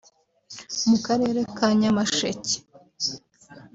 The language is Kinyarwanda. mu Karere ka Nyamasheke